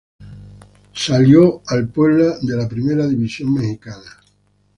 Salió al Puebla de la primera división mexicana